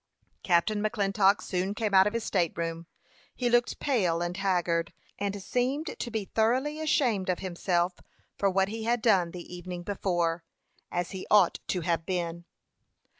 Captain McClintock soon came out of his state room. He looked pale and haggard, and seemed to be thoroughly ashamed of himself for what he had done the evening before, as he ought to have been.